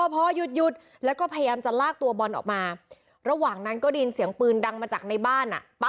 พอหยุดแล้วก็พยายามจะลากตัวบอลออกมาระหว่างนั้นก็ได้ยินเสียงปืนดังมาจากในบ้าน